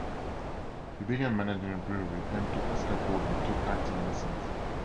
He began managing a brewery and, to escape boredom, took acting lessons.